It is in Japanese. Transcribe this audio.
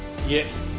いえ。